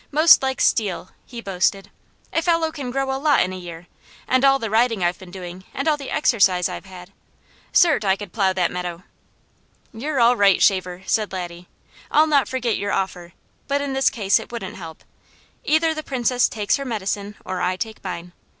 Most like steel!" he boasted. "A fellow can grow a lot in a year, and all the riding I've been doing, and all the exercise I've had. Cert' I can plow that meadow." "You're all right, shaver," said Laddie. "I'll not forget your offer; but in this case it wouldn't help. Either the Princess takes her medicine or I take mine.